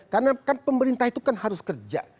karena kan pemerintah itu kan harus kerja